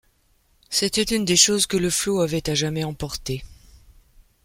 C’était une des choses que le flot avait à jamais emportées.